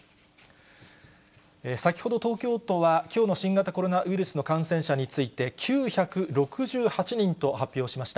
先ほど東京都は、きょうの新型コロナウイルスの感染者について、９６８人と発表しました。